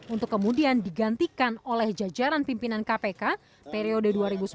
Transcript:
untuk kemudian digantikan oleh jajaran pimpinan kpk periode dua ribu sembilan belas dua ribu dua